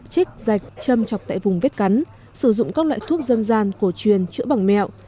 chích dạch châm chọc tại vùng vết cắn sử dụng các loại thuốc dân gian cổ truyền chữa bằng mẹo